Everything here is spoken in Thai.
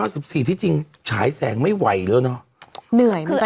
สิบสี่ที่จริงฉายแสงไม่ไหวแล้วเนอะ